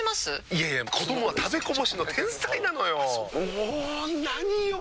いやいや子どもは食べこぼしの天才なのよ。も何よ